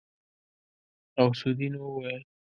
غوث الدين وويل.